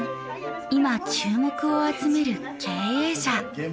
今注目を集める経営者。